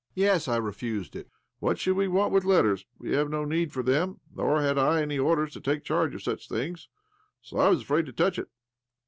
' ;Yes, I refused it. What should we want with letters ? W\e have no need for them, nor had I any orders to take charge of such things. So I was afraid to touch it.